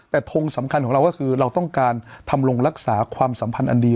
แต่ทงสำคัญของเราก็คือเราต้องการทำลงรักษาความสัมพันธ์อันดี